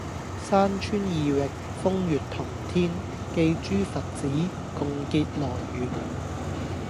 山川異域，風月同天，寄諸佛子，共結來緣